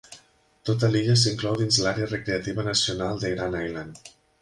Tota l'illa s'inclou dins l'àrea recreativa nacional de Grand Island.